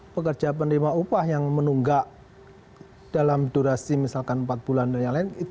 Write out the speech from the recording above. pekerja penerima upah yang menunggak dalam durasi misalkan empat bulan dan yang lain